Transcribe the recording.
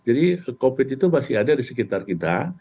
jadi covid itu masih ada di sekitar kita